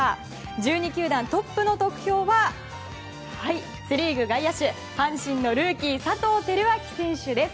１２球団トップの得票はセ・リーグ外野手阪神のルーキー佐藤輝明選手です。